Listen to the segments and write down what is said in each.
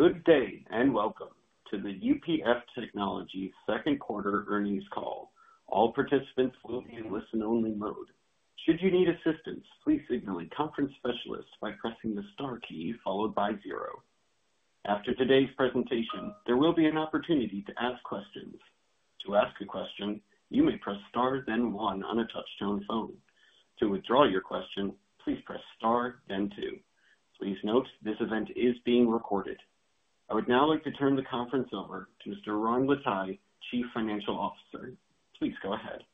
Good day and welcome to the UFP Technologies second quarter earnings call. All participants will be in listen-only mode. Should you need assistance, please signal a conference specialist by pressing the star key followed by zero. After today's presentation, there will be an opportunity to ask questions. To ask a question, you may press star, then one on a touch-tone phone. To withdraw your question, please press star, then two. Please note this event is being recorded. I would now like to turn the conference over to Mr. Ron Lataille, Chief Financial Officer. Please go ahead.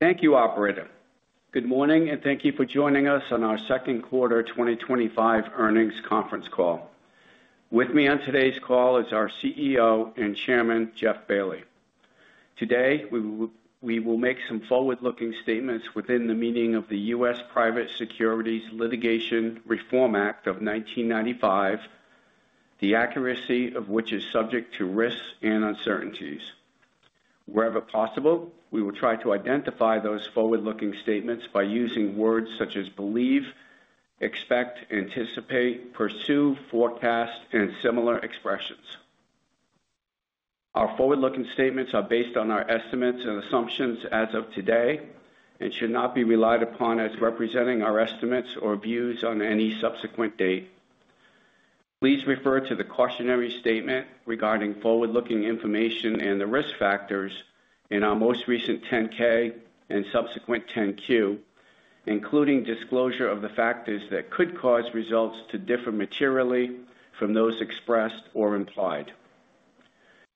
Thank you, operator. Good morning and thank you for joining us on our second quarter 2025 earnings conference call. With me on today's call is our CEO and Chairman, Jeff Bailly. Today, we will make some forward-looking statements within the meaning of the U.S. Private Securities Litigation Reform Act of 1995, the accuracy of which is subject to risks and uncertainties. Wherever possible, we will try to identify those forward-looking statements by using words such as believe, expect, anticipate, pursue, forecast, and similar expressions. Our forward-looking statements are based on our estimates and assumptions as of today and should not be relied upon as representing our estimates or views on any subsequent date. Please refer to the cautionary statement regarding forward-looking information and the risk factors in our most recent 10-K and subsequent 10-Q, including disclosure of the factors that could cause results to differ materially from those expressed or implied.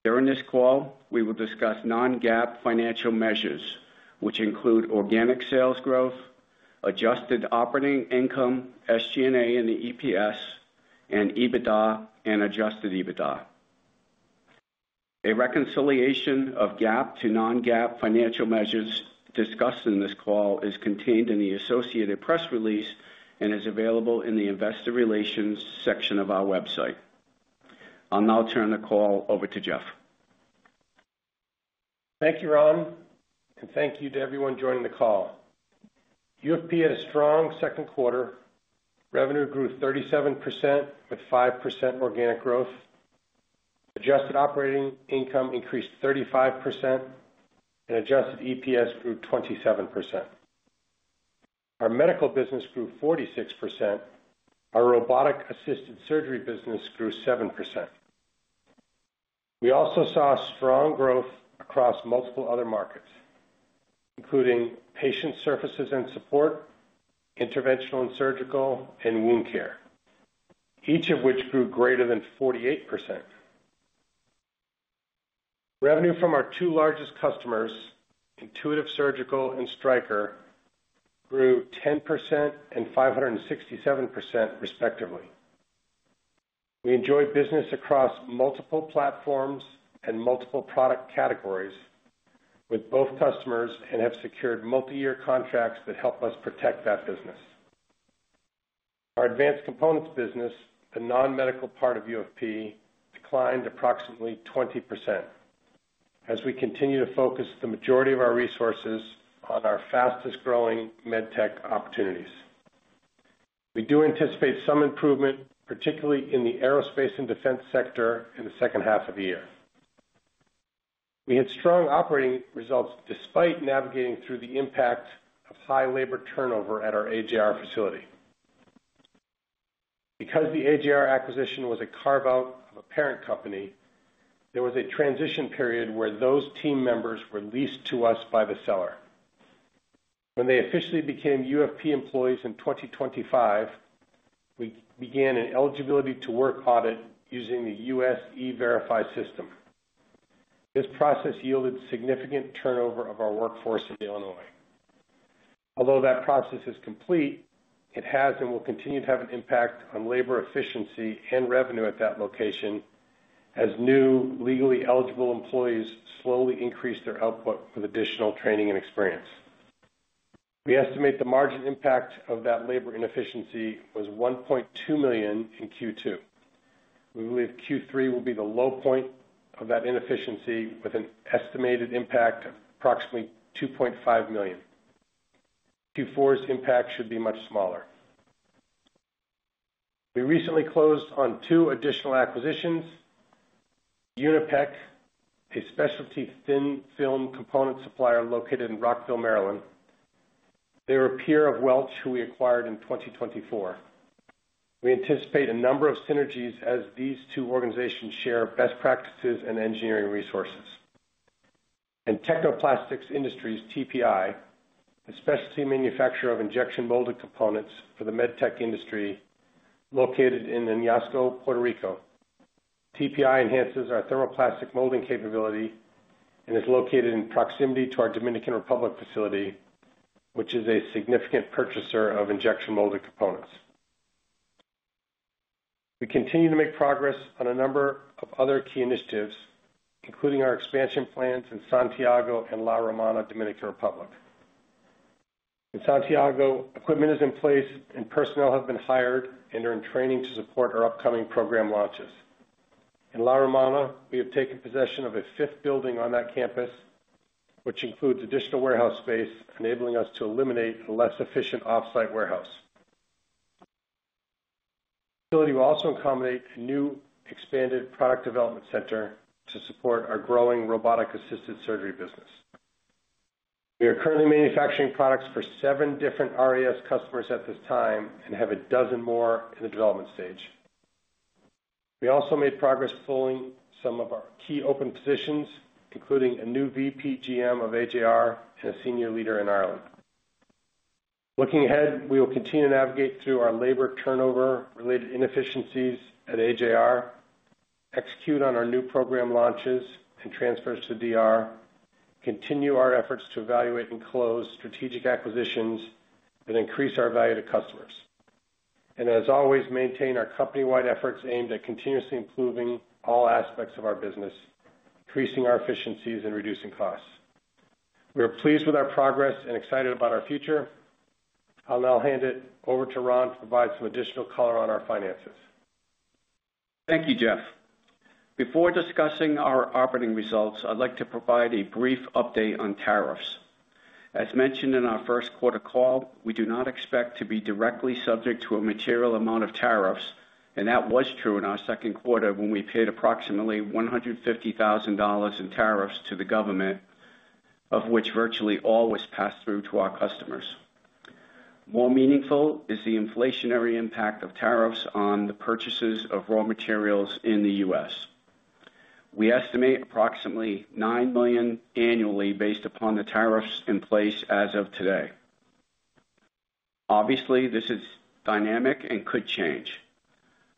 During this call, we will discuss non-GAAP financial measures, which include organic sales growth, adjusted operating income, SG&A, adjusted EPS, and EBITDA and adjusted EBITDA. A reconciliation of GAAP to non-GAAP financial measures discussed in this call is contained in the associated press release and is available in the investor relations section of our website. I'll now turn the call over to Jeff. Thank you, Ron, and thank you to everyone joining the call. UFP had a strong second quarter. Revenue grew 37% with 5% organic growth. Adjusted operating income increased 35% and adjusted EPS grew 27%. Our medical business grew 46%. Our robotic-assisted surgery business grew 7%. We also saw strong growth across multiple other markets, including patient services and support, interventional and surgical, and wound care, each of which grew greater than 48%. Revenue from our two largest customers, Intuitive Surgical and Stryker, grew 10% and 567% respectively. We enjoy business across multiple platforms and multiple product categories with both customers and have secured multi-year contracts that help us protect that business. Our advanced components business, the non-medical part of UFP, declined approximately 20% as we continue to focus the majority of our resources on our fastest growing med tech opportunities. We do anticipate some improvement, particularly in the aerospace and defense sector in the second half of the year. We had strong operating results despite navigating through the impacts of high labor turnover at our AJR facility. Because the AJR acquisition was a carve-out of a parent company, there was a transition period where those team members were leased to us by the seller. When they officially became UFP employees in 2025, we began an eligibility to work audit using the U.S. e-Verify system. This process yielded significant turnover of our workforce in Illinois. Although that process is complete, it has and will continue to have an impact on labor efficiency and revenue at that location as new legally eligible employees slowly increase their output with additional training and experience. We estimate the margin impact of that labor inefficiency was $1.2 million in Q2. We believe Q3 will be the low point of that inefficiency with an estimated impact of approximately $2.5 million. Q4's impact should be much smaller. We recently closed on two additional acquisitions, UNIPEC, a specialty thin film component supplier located in Rockville, Maryland. They're a peer of Welch who we acquired in 2024. We anticipate a number of synergies as these two organizations share best practices and engineering resources. And Techno Plastics Industries, TPI, a specialty manufacturer of injection molded components for the med tech industry located in Iñazco, Puerto Rico. TPI enhances our thermoplastic molding capability and is located in proximity to our Dominican Republic facility, which is a significant purchaser of injection molded components. We continue to make progress on a number of other key initiatives, including our expansion plans in Santiago and La Romana, Dominican Republic. In Santiago, equipment is in place and personnel have been hired and are in training to support our upcoming program launches. In La Romana, we have taken possession of a fifth building on that campus, which includes additional warehouse space, enabling us to eliminate a less efficient offsite warehouse. The facility will also accommodate a new expanded product development center to support our growing robotic-assisted surgery business. We are currently manufacturing products for seven different RES customers at this time and have a dozen more in the development stage. We also made progress fully in some of our key open positions, including a new VP GM of AJR and a senior leader in Ireland. Looking ahead, we will continue to navigate through our labor turnover-related inefficiencies at AJR, execute on our new program launches and transfers to DR, continue our efforts to evaluate and close strategic acquisitions that increase our value to customers, and as always, maintain our company-wide efforts aimed at continuously improving all aspects of our business, increasing our efficiencies and reducing costs. We are pleased with our progress and excited about our future. I'll now hand it over to Ron to provide some additional color on our finances. Thank you, Jeff. Before discussing our operating results, I'd like to provide a brief update on tariffs. As mentioned in our first quarter call, we do not expect to be directly subject to a material amount of tariffs, and that was true in our second quarter when we paid approximately $150,000 in tariffs to the government, of which virtually all was passed through to our customers. More meaningful is the inflationary impact of tariffs on the purchases of raw materials in the U.S. We estimate approximately $9 million annually based upon the tariffs in place as of today. Obviously, this is dynamic and could change.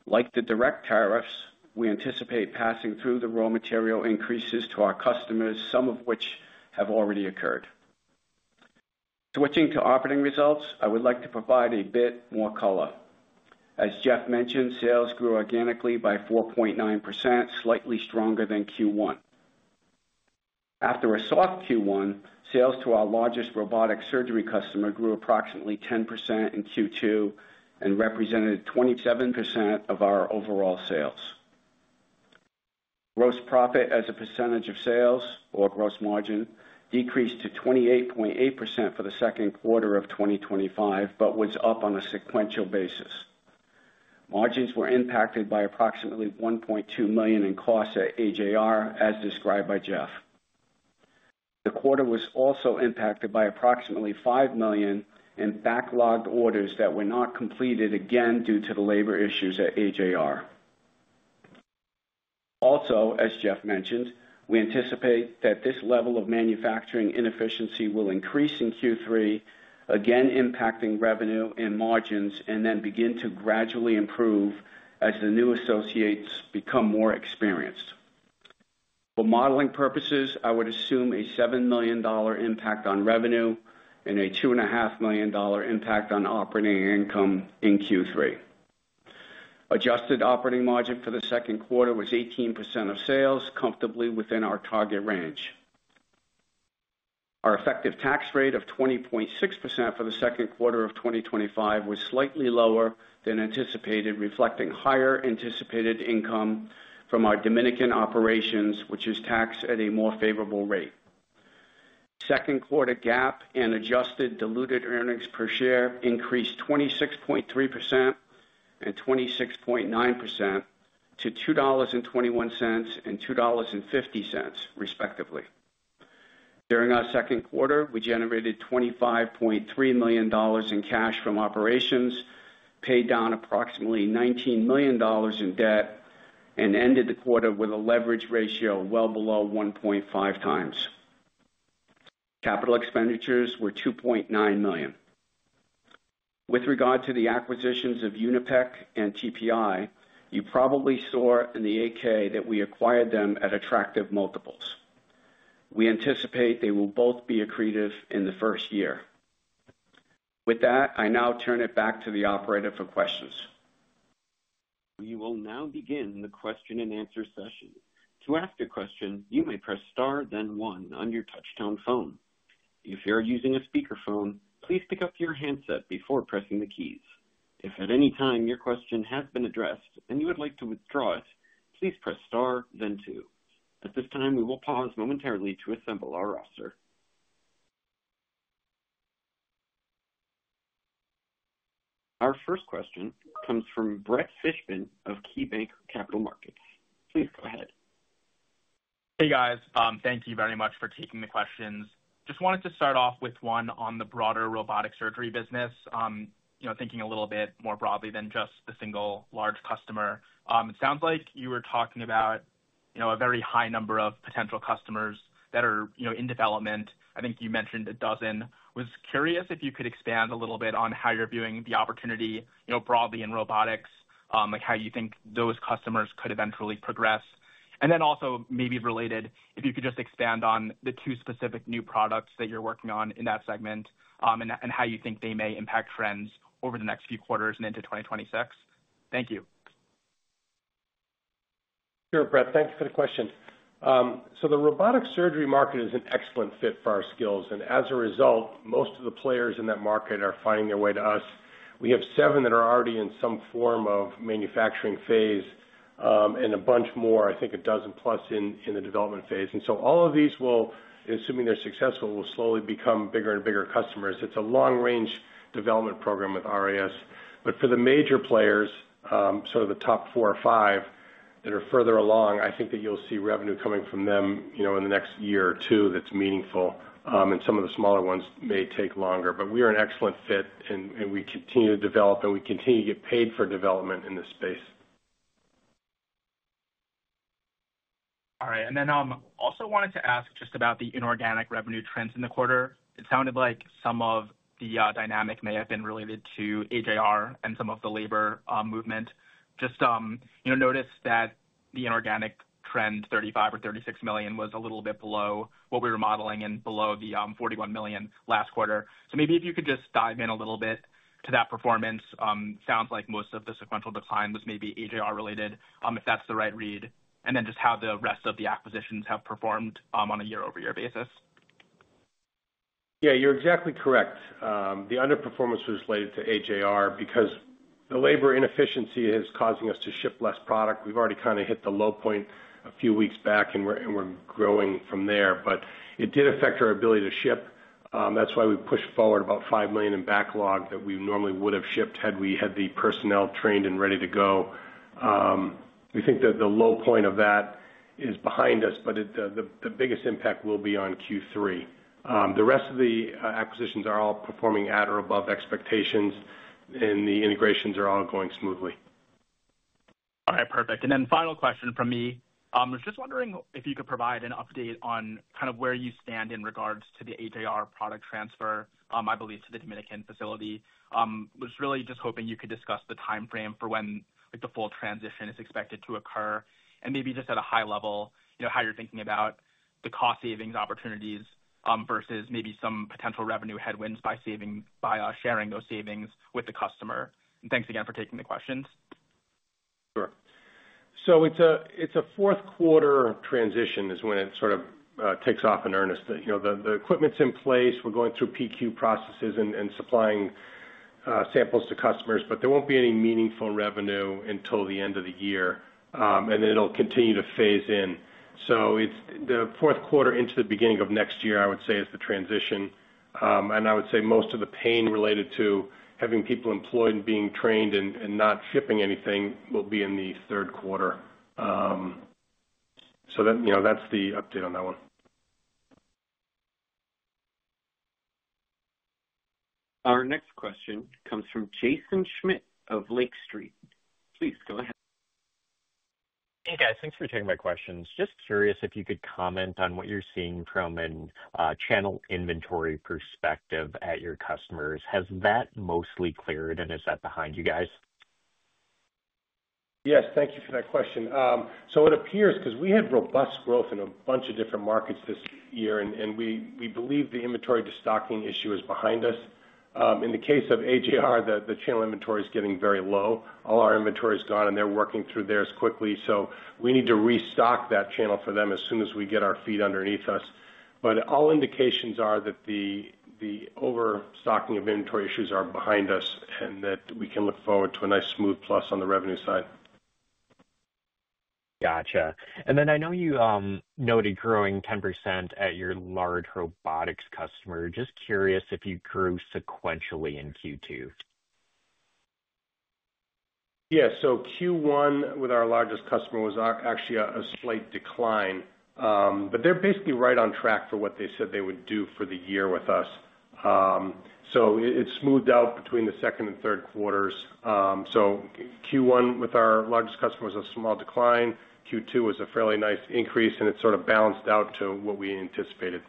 Like the direct tariffs, we anticipate passing through the raw material increases to our customers, some of which have already occurred. Switching to operating results, I would like to provide a bit more color. As Jeff mentioned, sales grew organically by 4.9%, slightly stronger than Q1. After a soft Q1, sales to our largest robotic-assisted surgery customer grew approximately 10% in Q2 and represented 27% of our overall sales. Gross profit as a percentage of sales, or gross margin, decreased to 28.8% for the second quarter of 2025, but was up on a sequential basis. Margins were impacted by approximately $1.2 million in costs at AJR, as described by Jeff. The quarter was also impacted by approximately $5 million in backlogged orders that were not completed again due to the labor issues at AJR. Also, as Jeff mentioned, we anticipate that this level of manufacturing inefficiency will increase in Q3, again impacting revenue and margins, and then begin to gradually improve as the new associates become more experienced. For modeling purposes, I would assume a $7 million impact on revenue and a $2.5 million impact on operating income in Q3. Adjusted operating margin for the second quarter was 18% of sales, comfortably within our target range. Our effective tax rate of 20.6% for the second quarter of 2025 was slightly lower than anticipated, reflecting higher anticipated income from our Dominican operations, which is taxed at a more favorable rate. Second quarter GAAP and adjusted diluted earnings per share increased 26.3% and 26.9% to $2.21 and $2.50, respectively. During our second quarter, we generated $25.3 million in cash from operations, paid down approximately $19 million in debt, and ended the quarter with a leverage ratio well below 1.5 times. Capital expenditures were $2.9 million. With regard to the acquisitions of UNIPEC and Techno Plastics Industries, you probably saw in the AK that we acquired them at attractive multiples. We anticipate they will both be accretive in the first year. With that, I now turn it back to the operator for questions. We will now begin the question and answer session. To ask a question, you may press star, then one on your touch-tone phone. If you're using a speakerphone, please pick up your handset before pressing the keys. If at any time your question has been addressed and you would like to withdraw it, please press star, then two. At this time, we will pause momentarily to assemble our roster. Our first question comes from Brett Fishbin of KeyBank Capital Markets. Please go ahead. Hey guys, thank you very much for taking the questions. Just wanted to start off with one on the broader robotic-assisted surgery business, thinking a little bit more broadly than just the single large customer. It sounds like you were talking about a very high number of potential customers that are in development. I think you mentioned a dozen. I was curious if you could expand a little bit on how you're viewing the opportunity broadly in robotics, like how you think those customers could eventually progress. Also, maybe related, if you could just expand on the two specific new products that you're working on in that segment and how you think they may impact trends over the next few quarters and into 2026. Thank you. Sure, Brett, thank you for the question. The robotic surgery market is an excellent fit for our skills, and as a result, most of the players in that market are finding their way to us. We have seven that are already in some form of manufacturing phase, and a bunch more, I think a dozen plus in the development phase. All of these will, assuming they're successful, slowly become bigger and bigger customers. It's a long-range development program with robotic-assisted surgery. For the major players, sort of the top four or five that are further along, I think that you'll see revenue coming from them in the next year or two that's meaningful. Some of the smaller ones may take longer, but we are an excellent fit, and we continue to develop, and we continue to get paid for development in this space. All right. I also wanted to ask just about the inorganic revenue trends in the quarter. It sounded like some of the dynamic may have been related to AJR and some of the labor movement. I noticed that the inorganic trend, $35 million or $36 million, was a little bit below what we were modeling and below the $41 million last quarter. If you could just dive in a little bit to that performance, it sounds like most of the sequential decline was maybe AJR related, if that's the right read, and then how the rest of the acquisitions have performed on a year-over-year basis. Yeah, you're exactly correct. The underperformance was related to AJR because the labor inefficiency is causing us to ship less product. We've already kind of hit the low point a few weeks back, and we're growing from there, but it did affect our ability to ship. That's why we pushed forward about $5 million in backlog that we normally would have shipped had we had the personnel trained and ready to go. We think that the low point of that is behind us, but the biggest impact will be on Q3. The rest of the acquisitions are all performing at or above expectations, and the integrations are all going smoothly. All right, perfect. Final question from me. I was just wondering if you could provide an update on where you stand in regards to the AJR product transfer, my belief to the Dominican facility. I was really just hoping you could discuss the timeframe for when the full transition is expected to occur, and maybe just at a high level, how you're thinking about the cost savings opportunities versus maybe some potential revenue headwinds by sharing those savings with the customer. Thanks again for taking the questions. Sure. It's a fourth quarter transition when it sort of takes off in earnest. The equipment's in place, we're going through PQ processes and supplying samples to customers, but there won't be any meaningful revenue until the end of the year, and then it'll continue to phase in. It's the fourth quarter into the beginning of next year, I would say, is the transition. I would say most of the pain related to having people employed and being trained and not shipping anything will be in the third quarter. That's the update on that one. Our next question comes from Jaeson Schmidt of Lake Street. Please go ahead. Hey guys, thanks for taking my questions. Just curious if you could comment on what you're seeing from a channel inventory perspective at your customers. Has that mostly cleared and is that behind you guys? Yes, thank you for that question. It appears, because we had robust growth in a bunch of different markets this year, and we believe the inventory to stocking issue is behind us. In the case of AJR, the channel inventory is getting very low. All our inventory is gone and they're working through theirs quickly. We need to restock that channel for them as soon as we get our feet underneath us. All indications are that the overstocking of inventory issues are behind us and that we can look forward to a nice smooth plus on the revenue side. Gotcha. I know you noted growing 10% at your large robotics customer. Just curious if you grew sequentially in Q2. Q1 with our largest customer was actually a small decline, but they're basically right on track for what they said they would do for the year with us. It smoothed out between the second and third quarters. Q1 with our largest customer was a small decline. Q2 was a fairly nice increase, and it sort of balanced out to what we anticipated.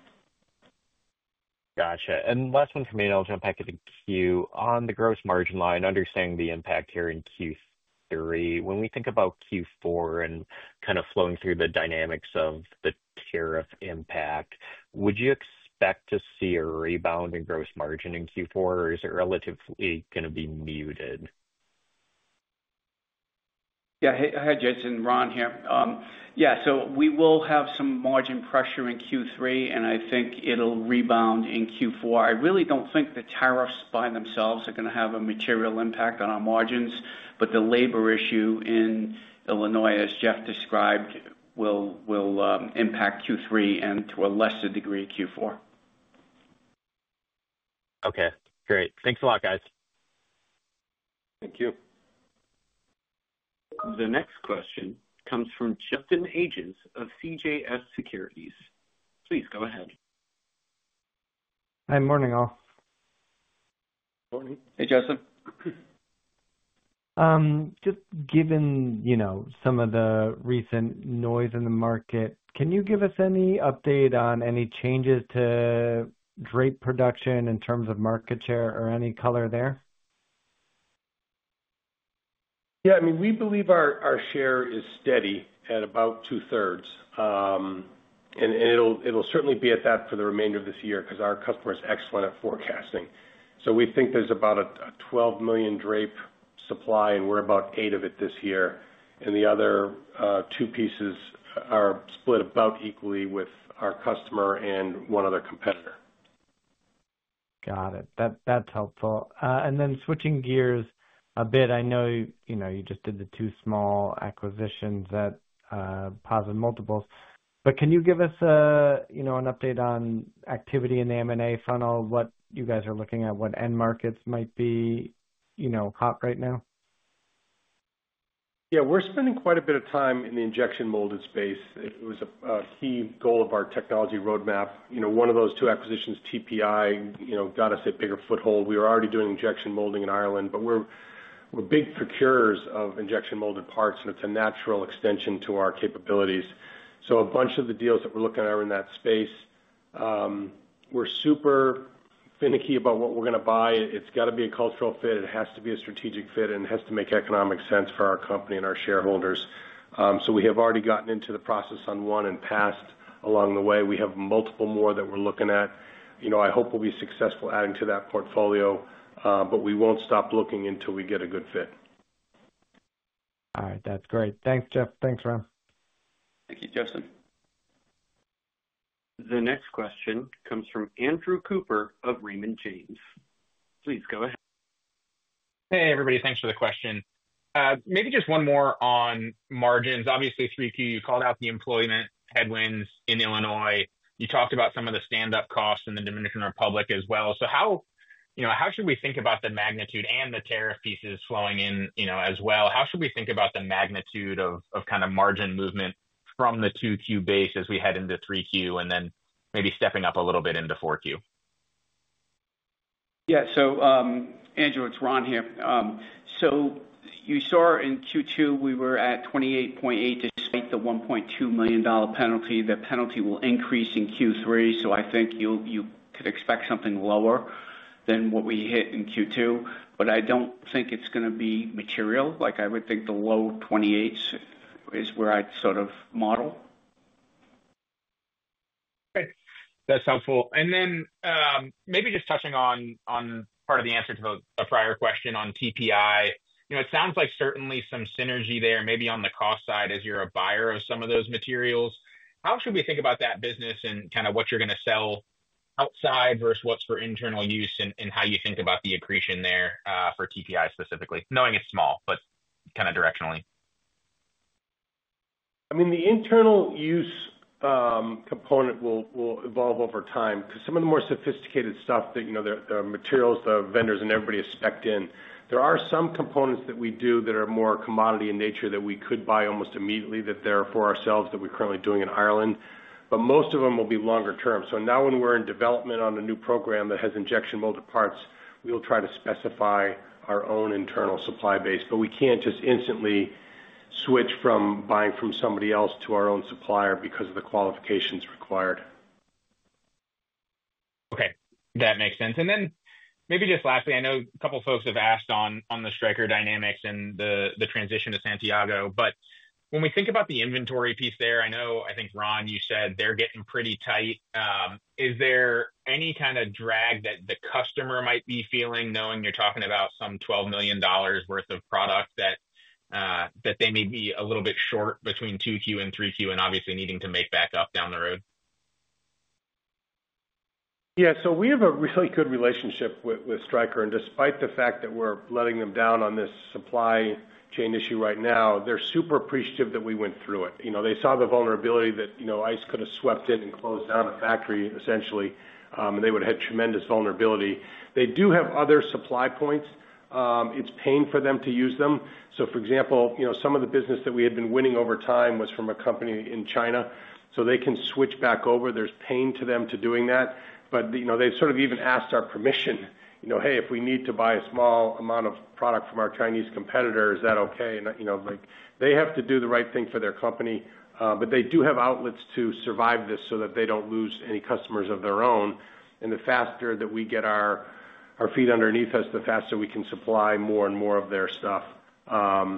Gotcha. Last one for me, and I'll jump back to the Q. On the gross margin line, understanding the impact here in Q3, when we think about Q4 and kind of flowing through the dynamics of the tariff impact, would you expect to see a rebound in gross margin in Q4, or is it relatively going to be muted? Yeah, hey Jaeson, Ron here. Yeah, we will have some margin pressure in Q3, and I think it'll rebound in Q4. I really don't think the tariffs by themselves are going to have a material impact on our margins, but the labor issue in Illinois, as Jeff described, will impact Q3 and to a lesser degree Q4. Okay, great. Thanks a lot, guys. Thank you. The next question comes from Justin Ages of CJS Securities. Please go ahead. Hi, morning all. Morning. Hey Justin. Given some of the recent noise in the market, can you give us any update on any changes to drape production in terms of market share or any color there? Yeah, I mean, we believe our share is steady at about two-thirds, and it'll certainly be at that for the remainder of this year because our customer is excellent at forecasting. We think there's about a $12 million drape supply, and we're about $8 million of it this year. The other two pieces are split about equally with our customer and one other competitor. Got it. That's helpful. Switching gears a bit, I know you just did the two small acquisitions at positive multiples, but can you give us an update on activity in the M&A funnel, what you guys are looking at, what end markets might be hot right now? Yeah, we're spending quite a bit of time in the injection molded space. It was a key goal of our technology roadmap. One of those two acquisitions, Techno Plastics Industries, got us a bigger foothold. We were already doing injection molding in Illinois, but we're big procurers of injection molded parts, and it's a natural extension to our capabilities. A bunch of the deals that we're looking at are in that space. We're super finicky about what we're going to buy. It has to be a cultural fit. It has to be a strategic fit, and it has to make economic sense for our company and our shareholders. We have already gotten into the process on one and passed along the way. We have multiple more that we're looking at. I hope we'll be successful adding to that portfolio, but we won't stop looking until we get a good fit. All right, that's great. Thanks, Jeff. Thanks, Ron. Thank you, Justin. The next question comes from Andrew Cooper of Raymond James. Please go ahead. Hey everybody, thanks for the question. Maybe just one more on margins. Obviously, 3Q, you called out the employment headwinds in Illinois. You talked about some of the standup costs in the Dominican Republic as well. How should we think about the magnitude and the tariff pieces flowing in as well? How should we think about the magnitude of kind of margin movement from the 2Q base as we head into 3Q and then maybe stepping up a little bit into 4Q? Yeah, Andrew, it's Ron here. You saw in Q2 we were at 28.8, to speak the $1.2 million penalty. The penalty will increase in Q3, so I think you could expect something lower than what we hit in Q2, but I don't think it's going to be material. I would think the low 28s is where I'd sort of model. Okay, that's helpful. Maybe just touching on part of the answer to a prior question on TPI, it sounds like certainly some synergy there maybe on the cost side as you're a buyer of some of those materials. How should we think about that business and kind of what you're going to sell outside versus what's for internal use and how you think about the accretion there for TPI specifically, knowing it's small, but kind of directionally? The internal use component will evolve over time because some of the more sophisticated stuff, you know, the materials, the vendors, and everybody is spec'd in. There are some components that we do that are more commodity in nature that we could buy almost immediately, that they're for ourselves, that we're currently doing in Illinois, but most of them will be longer term. Now, when we're in development on a new program that has injection molded parts, we'll try to specify our own internal supply base, but we can't just instantly switch from buying from somebody else to our own supplier because of the qualifications required. Okay, that makes sense. Maybe just lastly, I know a couple of folks have asked on the Stryker dynamics and the transition to Santiago, but when we think about the inventory piece there, I know, I think Ron, you said they're getting pretty tight. Is there any kind of drag that the customer might be feeling knowing you're talking about some $12 million worth of product that they may be a little bit short between 2Q and 3Q and obviously needing to make back up down the road? Yeah, we have a really good relationship with Stryker, and despite the fact that we're letting them down on this supply chain issue right now, they're super appreciative that we went through it. They saw the vulnerability that ICE could have swept in and closed down a factory essentially, and they would have had tremendous vulnerability. They do have other supply points. It's pain for them to use them. For example, some of the business that we had been winning over time was from a company in China. They can switch back over. There's pain to them to doing that. They've sort of even asked our permission, you know, hey, if we need to buy a small amount of product from our Chinese competitor, is that okay? They have to do the right thing for their company, but they do have outlets to survive this so that they don't lose any customers of their own. The faster that we get our feet underneath us, the faster we can supply more and more of their stuff. A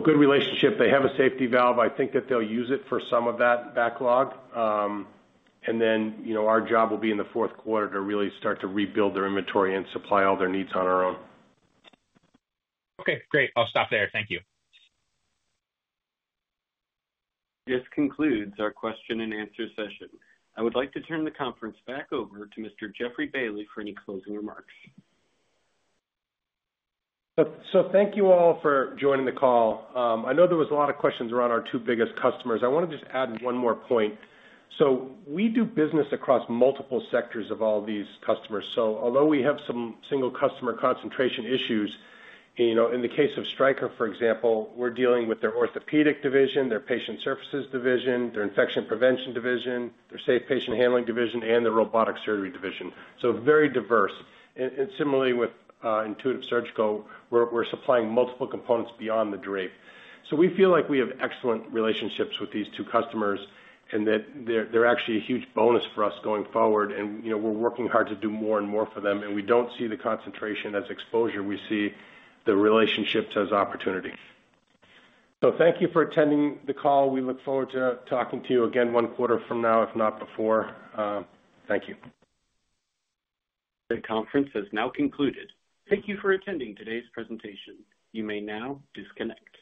good relationship. They have a safety valve. I think that they'll use it for some of that backlog. Our job will be in the fourth quarter to really start to rebuild their inventory and supply all their needs on our own. Okay, great. I'll stop there. Thank you. This concludes our question and answer session. I would like to turn the conference back over to Mr. Jeff Bailly for any closing remarks. Thank you all for joining the call. I know there were a lot of questions around our two biggest customers. I want to just add one more point. We do business across multiple sectors of all these customers. Although we have some single customer concentration issues, in the case of Stryker, for example, we're dealing with their orthopedic division, their patient services division, their infection prevention division, their safe patient handling division, and the robotic surgery division. Very diverse. Similarly with Intuitive Surgical, we're supplying multiple components beyond the drape. We feel like we have excellent relationships with these two customers and that they're actually a huge bonus for us going forward. We're working hard to do more and more for them. We don't see the concentration as exposure. We see the relationships as opportunity. Thank you for attending the call. We look forward to talking to you again one quarter from now, if not before. Thank you. The conference has now concluded. Thank you for attending today's presentation. You may now disconnect.